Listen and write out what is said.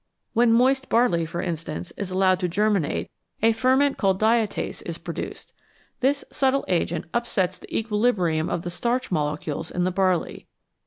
When moist barley, for instance, is allowed to germinate, a ferment called " diastase " is pro duced. This subtle agent upsets the equilibrium of the starch molecules in the barley.